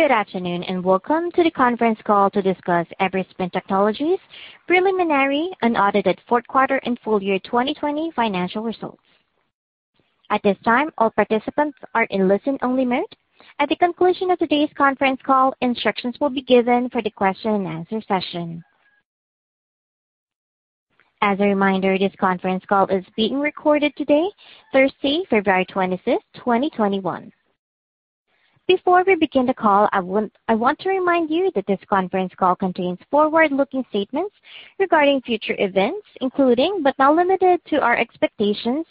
Good afternoon, and welcome to the conference call to discuss Everspin Technologies' preliminary unaudited fourth quarter and full year 2020 financial results. At this time, all participants are in listen-only mode. At the conclusion of today's conference call, instructions will be given for the question and answer session. As a reminder, this conference call is being recorded today, Thursday, February 25th, 2021. Before we begin the call, I want to remind you that this conference call contains forward-looking statements regarding future events, including but not limited to, our expectations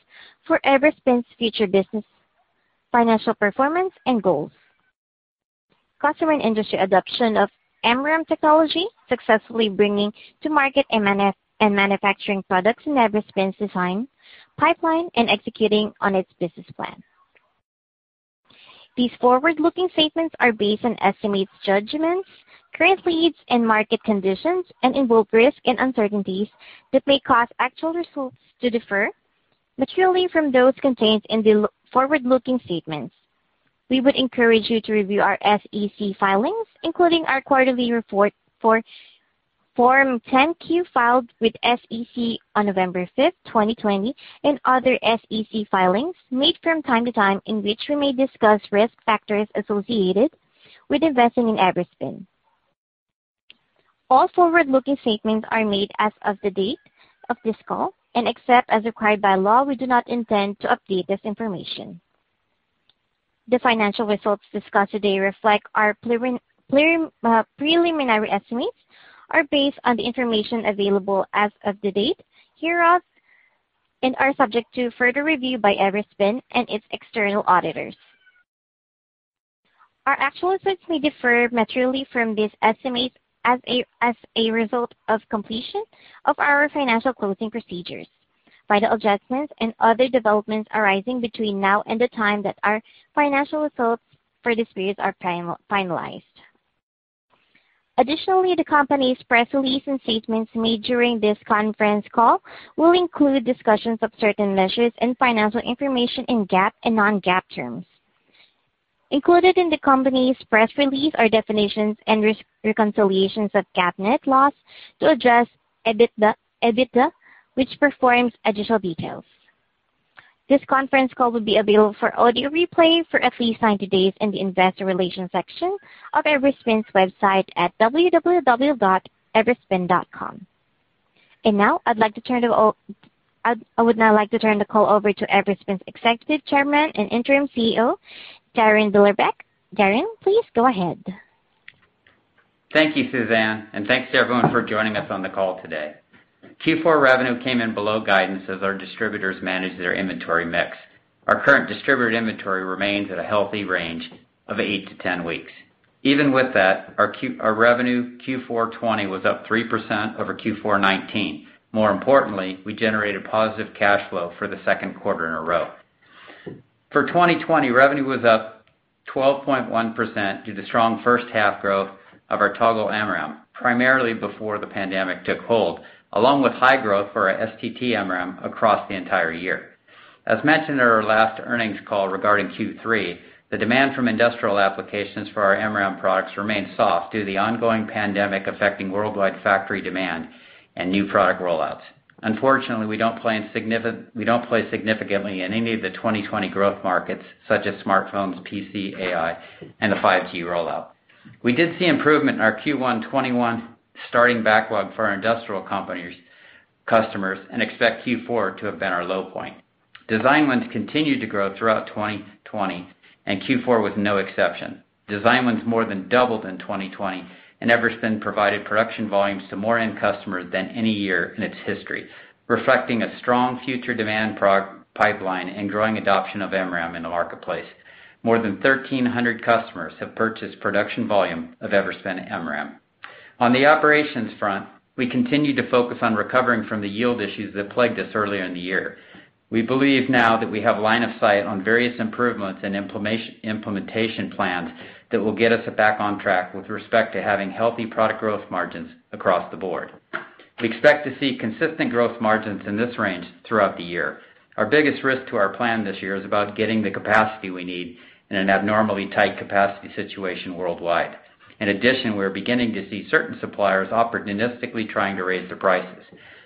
for Everspin's future business financial performance and goals, customer and industry adoption of MRAM technology, successfully bringing to market and manufacturing products in Everspin's design pipeline, and executing on its business plan. These forward-looking statements are based on estimates, judgments, current leads, and market conditions, and invoke risks and uncertainties that may cause actual results to differ materially from those contained in the forward-looking statements. We would encourage you to review our SEC filings, including our quarterly report Form 10-Q filed with SEC on November 5th, 2020, and other SEC filings made from time to time in which we may discuss risk factors associated with investing in Everspin. All forward-looking statements are made as of the date of this call, and except as required by law, we do not intend to update this information. The financial results discussed today reflect our preliminary estimates, are based on the information available as of the date hereof, and are subject to further review by Everspin and its external auditors. Our actual results may differ materially from these estimates as a result of completion of our financial closing procedures, final adjustments, and other developments arising between now and the time that our financial results for this period are finalized. Additionally, the company's press release and statements made during this conference call will include discussions of certain measures and financial information in GAAP and non-GAAP terms. Included in the company's press release are definitions and reconciliations of GAAP net loss to adjusted EBITDA, which provides additional details. This conference call will be available for audio replay for at least 90 days in the investor relations section of Everspin's website at www.everspin.com. I would now like to turn the call over to Everspin's Executive Chairman and Interim CEO, Darin Billerbeck. Darin, please go ahead. Thank you, Suzanne, and thanks to everyone for joining us on the call today. Q4 revenue came in below guidance as our distributors managed their inventory mix. Our current distributor inventory remains at a healthy range of eight to 10 weeks. Even with that, our revenue Q4 2020 was up 3% over Q4 2019. More importantly, we generated positive cash flow for the second quarter in a row. For 2020, revenue was up 12.1% due to strong first half growth of our Toggle MRAM, primarily before the pandemic took hold, along with high growth for our STT-MRAM across the entire year. As mentioned in our last earnings call regarding Q3, the demand from industrial applications for our MRAM products remained soft due to the ongoing pandemic affecting worldwide factory demand and new product rollouts. Unfortunately, we don't play significantly in any of the 2020 growth markets such as smartphones, PC, AI, and the 5G rollout. We did see improvement in our Q1 2021 starting backlog for our industrial customers and expect Q4 to have been our low point. Design wins continued to grow throughout 2020, and Q4 was no exception. Design wins more than doubled in 2020, and Everspin provided production volumes to more end customers than any year in its history, reflecting a strong future demand pipeline and growing adoption of MRAM in the marketplace. More than 1,300 customers have purchased production volume of Everspin MRAM. On the operations front, we continue to focus on recovering from the yield issues that plagued us earlier in the year. We believe now that we have line of sight on various improvements and implementation plans that will get us back on track with respect to having healthy product growth margins across the board. We expect to see consistent growth margins in this range throughout the year. Our biggest risk to our plan this year is about getting the capacity we need in an abnormally tight capacity situation worldwide. In addition, we're beginning to see certain suppliers opportunistically trying to raise their prices.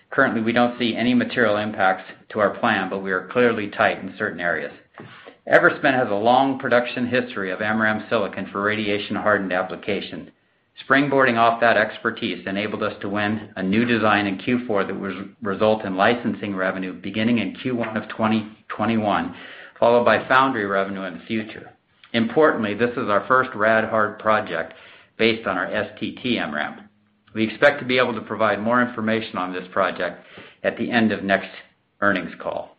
Currently, we don't see any material impacts to our plan, but we are clearly tight in certain areas. Everspin has a long production history of MRAM silicon for radiation-hardened applications. Springboarding off that expertise enabled us to win a new design in Q4 that will result in licensing revenue beginning in Q1 of 2021, followed by foundry revenue in the future. Importantly, this is our first RadHard project based on our STT-MRAM. We expect to be able to provide more information on this project at the end of next earnings call.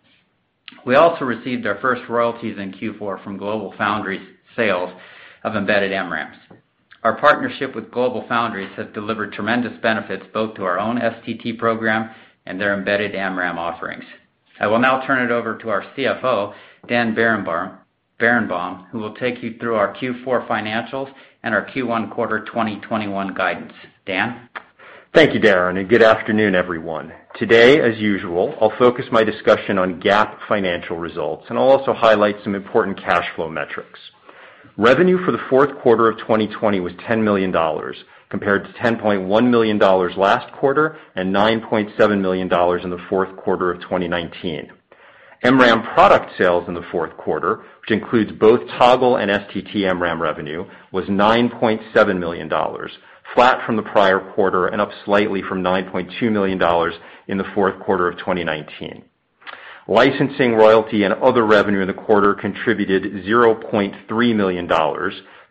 We also received our first royalties in Q4 from GlobalFoundries sales of embedded MRAMs. Our partnership with GlobalFoundries has delivered tremendous benefits both to our own STT program and their embedded MRAM offerings. I will now turn it over to our CFO, Daniel Berenbaum, who will take you through our Q4 financials and our Q1 quarter 2021 guidance. Dan? Thank you, Darin, and good afternoon, everyone. Today, as usual, I'll focus my discussion on GAAP financial results, and I'll also highlight some important cash flow metrics. Revenue for the fourth quarter of 2020 was $10 million, compared to $10.1 million last quarter and $9.7 million in the fourth quarter of 2019. MRAM product sales in the fourth quarter, which includes both Toggle and STT-MRAM revenue, was $9.7 million, flat from the prior quarter and up slightly from $9.2 million in the fourth quarter of 2019. Licensing, royalty, and other revenue in the quarter contributed $0.3 million,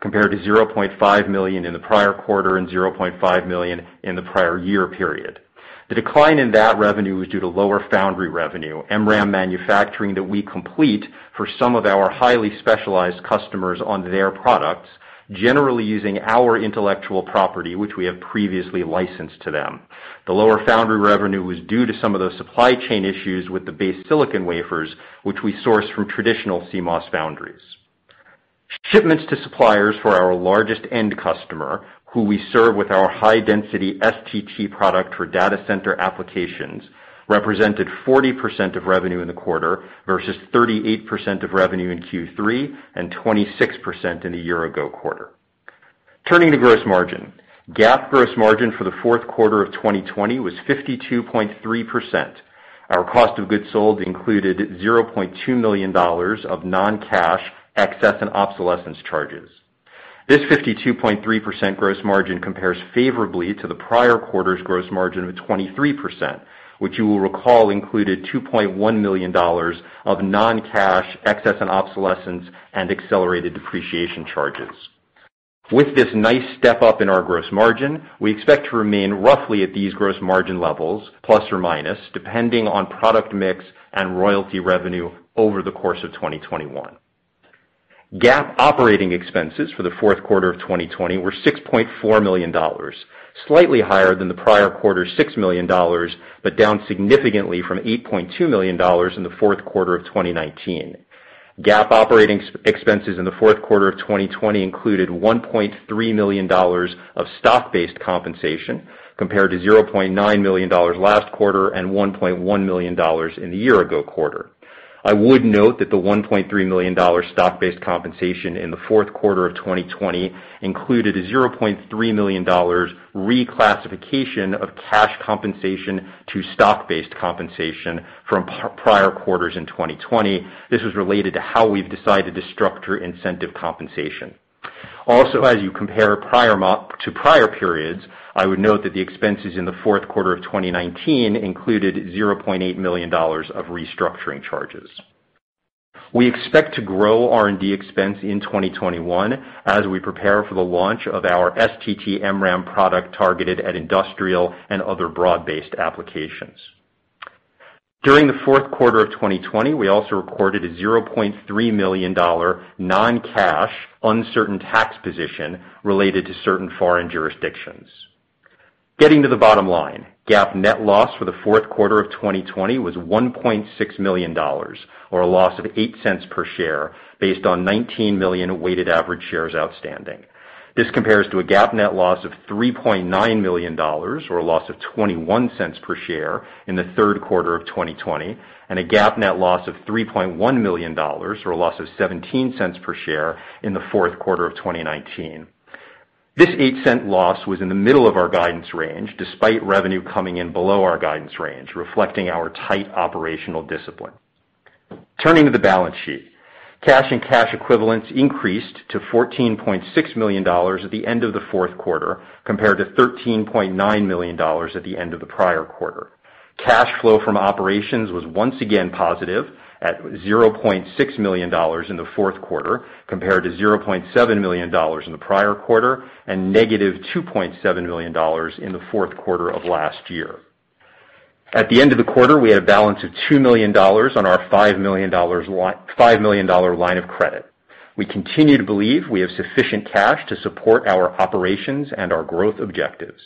compared to $0.5 million in the prior quarter and $0.5 million in the prior year period. The decline in that revenue was due to lower foundry revenue, MRAM manufacturing that we complete for some of our highly specialized customers on their products, generally using our intellectual property, which we have previously licensed to them. The lower foundry revenue was due to some of the supply chain issues with the base silicon wafers, which we source from traditional CMOS foundries. Shipments to suppliers for our largest end customer, who we serve with our high-density STT product for data center applications, represented 40% of revenue in the quarter versus 38% of revenue in Q3, and 26% in the year-ago quarter. Turning to gross margin. GAAP gross margin for the fourth quarter of 2020 was 52.3%. Our cost of goods sold included $0.2 million of non-cash excess and obsolescence charges. This 52.3% gross margin compares favorably to the prior quarter's gross margin of 23%, which you will recall included $2.1 million of non-cash excess and obsolescence and accelerated depreciation charges. With this nice step-up in our gross margin, we expect to remain roughly at these gross margin levels, ±, depending on product mix and royalty revenue over the course of 2021. GAAP operating expenses for the fourth quarter of 2020 were $6.4 million, slightly higher than the prior quarter's $6 million, but down significantly from $8.2 million in the fourth quarter of 2019. GAAP operating expenses in the fourth quarter of 2020 included $1.3 million of stock-based compensation, compared to $0.9 million last quarter and $1.1 million in the year-ago quarter. I would note that the $1.3 million stock-based compensation in the fourth quarter of 2020 included a $0.3 million reclassification of cash compensation to stock-based compensation from prior quarters in 2020. This was related to how we've decided to structure incentive compensation. As you compare to prior periods, I would note that the expenses in the fourth quarter of 2019 included $0.8 million of restructuring charges. We expect to grow R&D expense in 2021 as we prepare for the launch of our STT-MRAM product targeted at industrial and other broad-based applications. During the fourth quarter of 2020, we also recorded a $0.3 million non-cash uncertain tax position related to certain foreign jurisdictions. Getting to the bottom line, GAAP net loss for the fourth quarter of 2020 was $1.6 million, or a loss of $0.08 per share based on 19 million weighted average shares outstanding. This compares to a GAAP net loss of $3.9 million, or a loss of $0.21 per share in the third quarter of 2020, and a GAAP net loss of $3.1 million, or a loss of $0.17 per share in the fourth quarter of 2019. This $0.08 loss was in the middle of our guidance range, despite revenue coming in below our guidance range, reflecting our tight operational discipline. Turning to the balance sheet. Cash and cash equivalents increased to $14.6 million at the end of the fourth quarter, compared to $13.9 million at the end of the prior quarter. Cash flow from operations was once again positive at $0.6 million in the fourth quarter, compared to $0.7 million in the prior quarter and negative $2.7 million in the fourth quarter of last year. At the end of the quarter, we had a balance of $2 million on our $5 million line of credit. We continue to believe we have sufficient cash to support our operations and our growth objectives.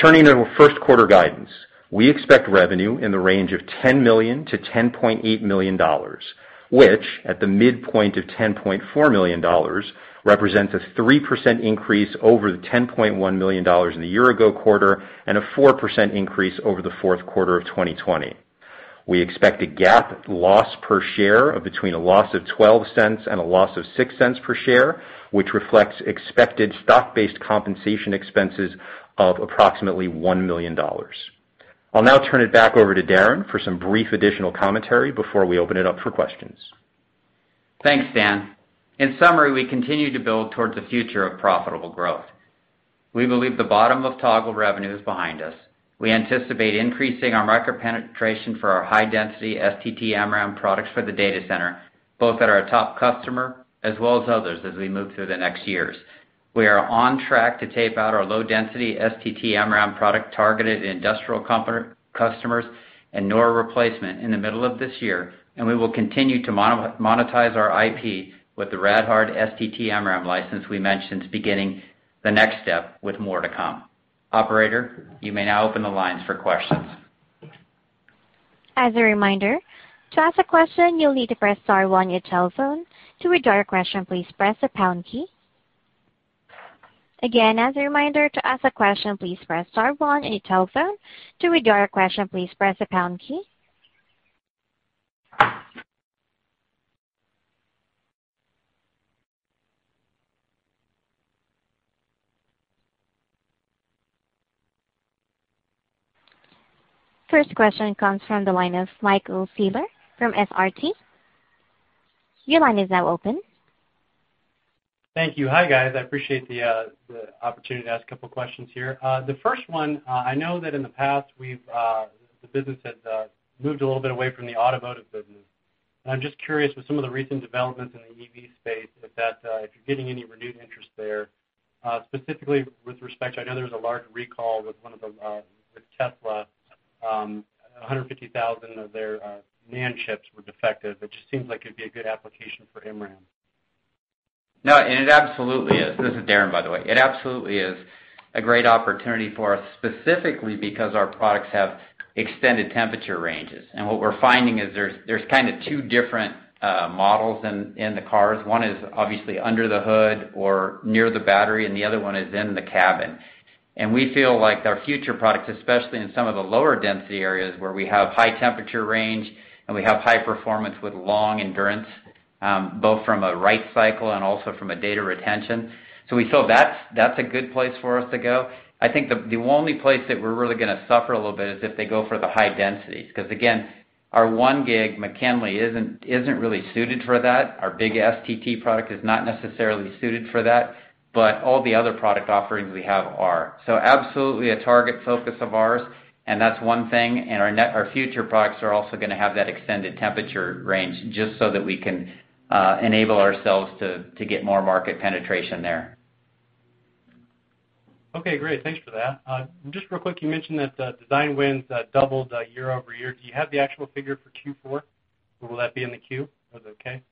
Turning to first quarter guidance. We expect revenue in the range of $10 million to $10.8 million, which at the midpoint of $10.4 million represents a 3% increase over the $10.1 million in the year-ago quarter and a 4% increase over the fourth quarter of 2020. We expect a GAAP loss per share of between a loss of $0.12 and a loss of $0.06 per share, which reflects expected stock-based compensation expenses of approximately $1 million. I'll now turn it back over to Darin for some brief additional commentary before we open it up for questions. Thanks, Dan. In summary, we continue to build towards the future of profitable growth. We believe the bottom of Toggle revenue is behind us. We anticipate increasing our market penetration for our high-density STT-MRAM products for the data center, both at our top customer as well as others as we move through the next years. We are on track to tape out our low-density STT-MRAM product targeted at industrial customers and NOR replacement in the middle of this year. We will continue to monetize our IP with the RadHard STT-MRAM license we mentioned beginning the next step, with more to come. Operator, you may now open the lines for questions. First question comes from the line of Michael Seeler from SRT. Your line is now open. Thank you. Hi, guys. I appreciate the opportunity to ask a couple questions here. The first one, I know that in the past, the business has moved a little bit away from the automotive business. I'm just curious with some of the recent developments in the EV space, if you're getting any renewed interest there, specifically with respect, I know there was a large recall with Tesla, 150,000 of their NAND chips were defective. It just seems like it'd be a good application for MRAM. No, it absolutely is. This is Darin, by the way. It absolutely is a great opportunity for us specifically because our products have extended temperature ranges. What we're finding is there's two different models in the cars. One is obviously under the hood or near the battery, and the other one is in the cabin. We feel like our future products, especially in some of the lower density areas where we have high temperature range and we have high performance with long endurance, both from a write cycle and also from a data retention. We feel that's a good place for us to go. I think the only place that we're really going to suffer a little bit is if they go for the high densities. Again, our 1Gb McKinley isn't really suited for that. Our big STT product is not necessarily suited for that, but all the other product offerings we have are. Absolutely a target focus of ours, and that's one thing. Our future products are also going to have that extended temperature range just so that we can enable ourselves to get more market penetration there. Okay, great. Thanks for that. Just real quick, you mentioned that the design wins doubled year-over-year. Do you have the actual figure for Q4, or will that be in the Q or the K?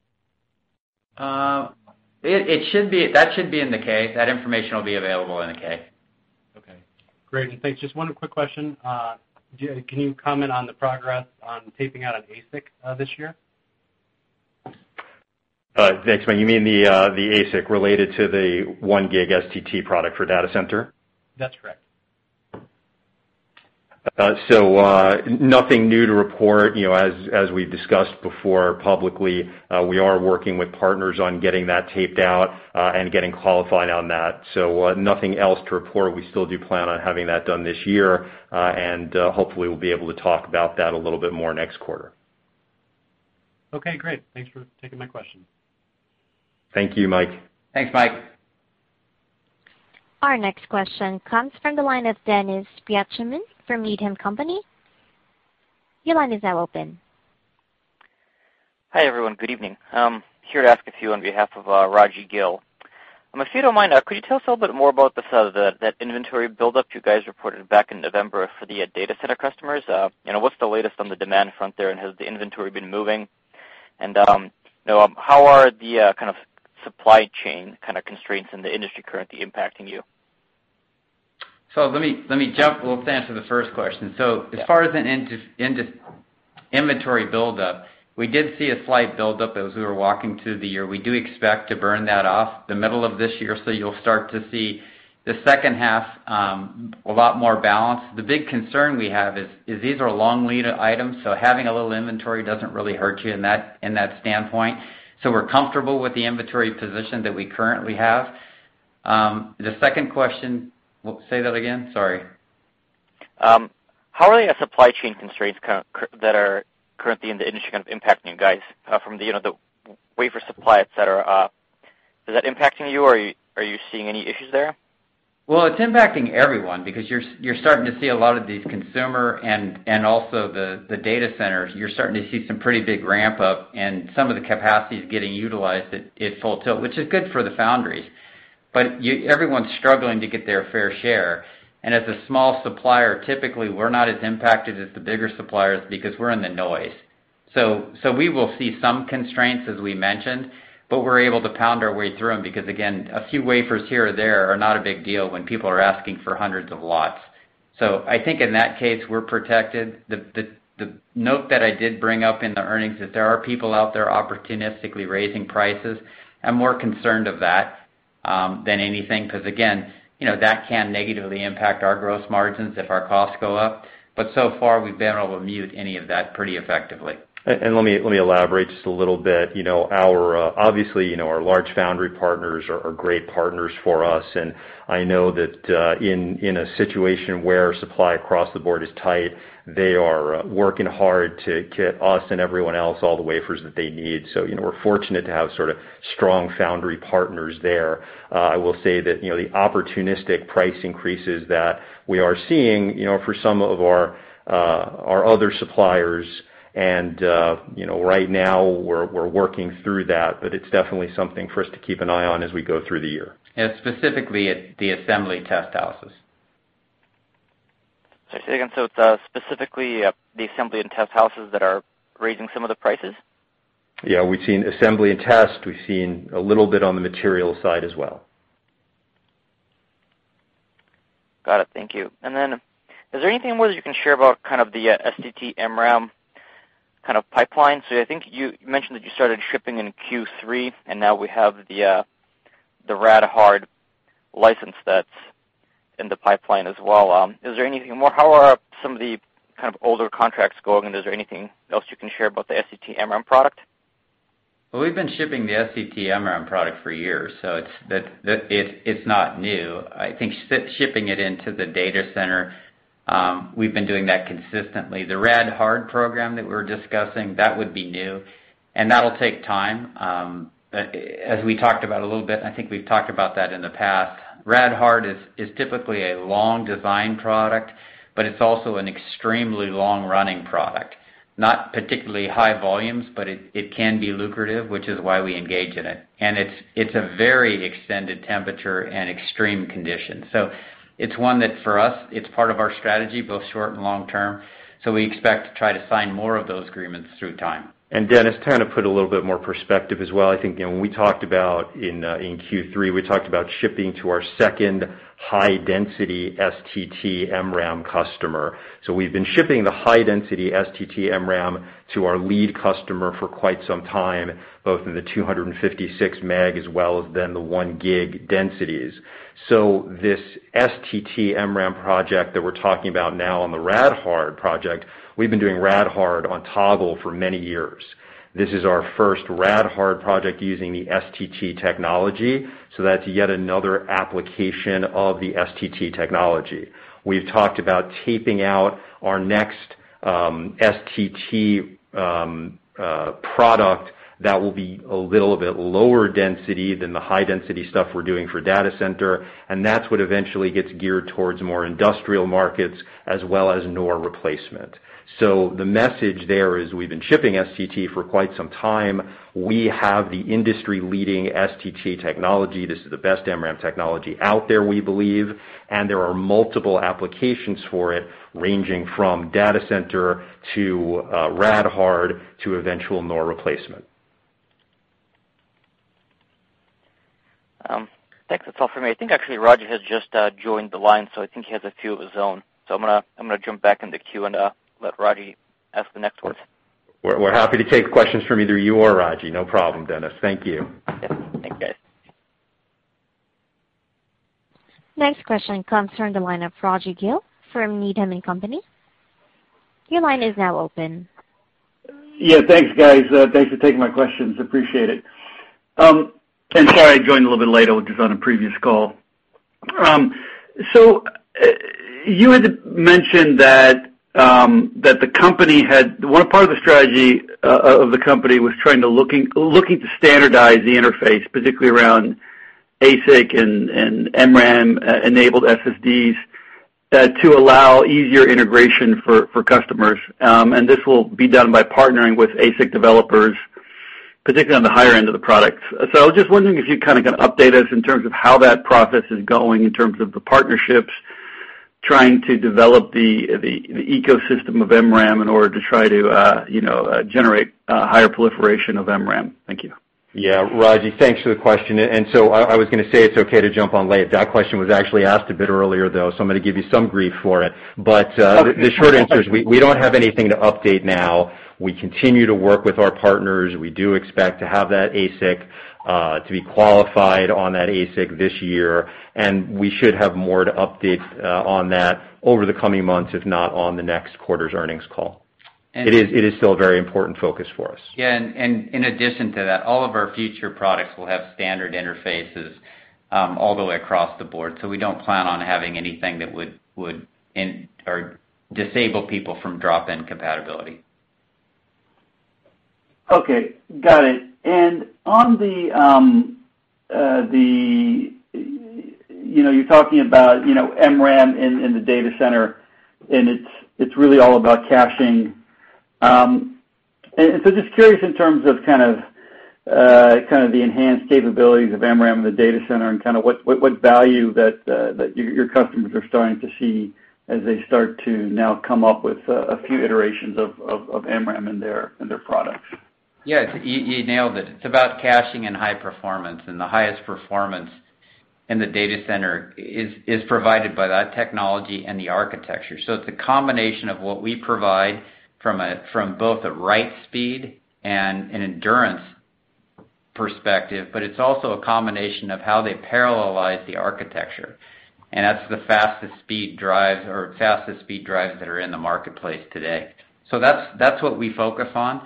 That should be in the K. That information will be available in the K. Okay, great. Thanks. Just one quick question. Can you comment on the progress on taping out an ASIC this year? Thanks, Mike. You mean the ASIC related to the 1 gig STT product for data center? That's correct. Nothing new to report. As we've discussed before publicly, we are working with partners on getting that taped out and getting qualified on that. Nothing else to report. We still do plan on having that done this year, and hopefully we'll be able to talk about that a little bit more next quarter. Okay, great. Thanks for taking my question. Thank you, Mike. Thanks, Mike. Our next question comes from the line of Denis Pyatchanin from Needham & Company. Your line is now open. Hi, everyone. Good evening. I'm here to ask a few on behalf of Rajvindra Gill. If you don't mind, could you tell us a little bit more about that inventory buildup you guys reported back in November for the data center customers? What's the latest on the demand front there, and has the inventory been moving? How are the supply chain constraints in the industry currently impacting you? Let me jump, we'll answer the first question. As far as an inventory buildup, we did see a slight buildup as we were walking through the year. We do expect to burn that off the middle of this year, so you'll start to see the second half a lot more balanced. The big concern we have is these are long lead items, so having a little inventory doesn't really hurt you in that standpoint. We're comfortable with the inventory position that we currently have. The second question, say that again? Sorry. How are the supply chain constraints that are currently in the industry kind of impacting you guys from the wafer supply, et cetera? Is that impacting you, or are you seeing any issues there? Well, it's impacting everyone because you're starting to see a lot of these consumer and also the data centers, you're starting to see some pretty big ramp up and some of the capacity is getting utilized at full tilt, which is good for the foundries, but everyone's struggling to get their fair share. As a small supplier, typically, we're not as impacted as the bigger suppliers because we're in the noise. We will see some constraints, as we mentioned, but we're able to pound our way through them because, again, a few wafers here or there are not a big deal when people are asking for hundreds of lots. I think in that case, we're protected. The note that I did bring up in the earnings, that there are people out there opportunistically raising prices. I'm more concerned of that than anything, because again, that can negatively impact our gross margins if our costs go up. So far, we've been able to mute any of that pretty effectively. Let me elaborate just a little bit. Obviously, our large foundry partners are great partners for us, and I know that in a situation where supply across the board is tight, they are working hard to get us and everyone else all the wafers that they need. We're fortunate to have sort of strong foundry partners there. I will say that the opportunistic price increases that we are seeing for some of our other suppliers, and right now we're working through that, but it's definitely something for us to keep an eye on as we go through the year. Specifically at the assembly test houses. Say again, it's specifically the assembly and test houses that are raising some of the prices? Yeah, we've seen assembly and test. We've seen a little bit on the material side as well. Got it. Thank you. Is there anything more that you can share about kind of the STT-MRAM kind of pipeline? I think you mentioned that you started shipping in Q3, and now we have the RadHard license that's in the pipeline as well. Is there anything more? How are some of the kind of older contracts going, and is there anything else you can share about the STT-MRAM product? Well, we've been shipping the STT-MRAM product for years, so it's not new. I think shipping it into the data center, we've been doing that consistently. The RadHard program that we're discussing, that would be new, and that'll take time. As we talked about a little bit, I think we've talked about that in the past, RadHard is typically a long design product, but it's also an extremely long-running product. Not particularly high volumes, but it can be lucrative, which is why we engage in it. It's a very extended temperature and extreme condition. It's one that for us, it's part of our strategy, both short and long term. We expect to try to sign more of those agreements through time. Denis, kind of put a little bit more perspective as well. I think when we talked about in Q3, we talked about shipping to our second high-density STT-MRAM customer. We've been shipping the high-density STT-MRAM to our lead customer for quite some time, both in the 256 meg as well as then the one gig densities. This STT-MRAM project that we're talking about now on the RadHard project, we've been doing RadHard on Toggle for many years. This is our first RadHard project using the STT technology, that's yet another application of the STT technology. We've talked about taping out our next STT product that will be a little bit lower density than the high-density stuff we're doing for data center, that's what eventually gets geared towards more industrial markets as well as NOR replacement. The message there is we've been shipping STT for quite some time. We have the industry-leading STT technology. This is the best MRAM technology out there, we believe, and there are multiple applications for it, ranging from data center to RadHard to eventual NOR replacement. I think that's all for me. I think actually Raji has just joined the line, so I think he has a few of his own. I'm gonna jump back in the queue and let Raji ask the next ones. We're happy to take questions from either you or Raji. No problem, Denis. Thank you. Yep. Thank you. Next question comes from the line of Rajvindra Gill from Needham & Company. Your line is now open. Thanks, guys. Thanks for taking my questions. Appreciate it. Sorry I joined a little bit late. I was just on a previous call. You had mentioned that one part of the strategy of the company was trying to looking to standardize the interface, particularly around ASIC and MRAM-enabled SSDs, to allow easier integration for customers. This will be done by partnering with ASIC developers, particularly on the higher end of the product. I was just wondering if you kind of can update us in terms of how that process is going in terms of the partnerships, trying to develop the ecosystem of MRAM in order to try to generate a higher proliferation of MRAM. Thank you. Yeah. Raji, thanks for the question. I was going to say it's okay to jump on late. That question was actually asked a bit earlier, though. I'm going to give you some grief for it. The short answer is we don't have anything to update now. We continue to work with our partners. We do expect to have that ASIC to be qualified on that ASIC this year. We should have more to update on that over the coming months, if not on the next quarter's earnings call. It is still a very important focus for us. Yeah, in addition to that, all of our future products will have standard interfaces all the way across the board. We don't plan on having anything that would disable people from drop-in compatibility. Okay. Got it. You're talking about MRAM in the data center, and it's really all about caching. Just curious in terms of kind of the enhanced capabilities of MRAM in the data center and kind of what value that your customers are starting to see as they start to now come up with a few iterations of MRAM in their products. Yeah. You nailed it. It's about caching and high performance, and the highest performance in the data center is provided by that technology and the architecture. It's a combination of what we provide from both a write speed and an endurance perspective, but it's also a combination of how they parallelize the architecture, and that's the fastest speed drives that are in the marketplace today. That's what we focus on.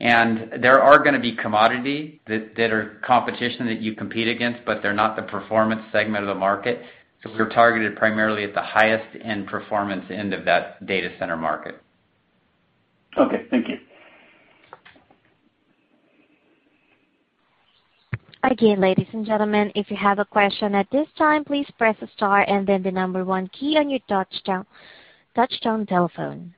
There are going to be commodity that are competition that you compete against, but they're not the performance segment of the market. We're targeted primarily at the highest end performance end of that data center market. Okay. Thank you. Again, ladies and gentlemen, if you have a question at this time, please press star and then the number one key on your touchtone telephone.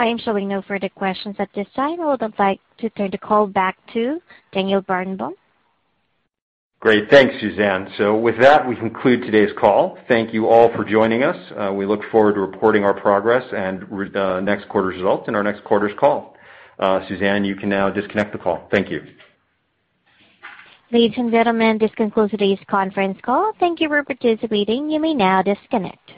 I am showing no further questions at this time. I would like to turn the call back to Daniel Berenbaum. Great. Thanks, Suzanne. With that, we conclude today's call. Thank you all for joining us. We look forward to reporting our progress and next quarter's results in our next quarter's call. Suzanne, you can now disconnect the call. Thank you. Ladies and gentlemen, this concludes today's conference call. Thank you for participating. You may now disconnect.